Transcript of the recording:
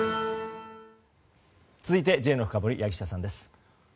続いてＪのフカボリ柳下さんです。